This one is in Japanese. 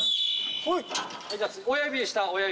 はい。